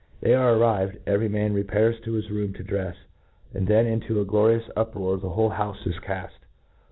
They are arrived r every man repsdrs to his room to drefs — and theh inti^^ what a gbrious uproar the whole houfe is caft!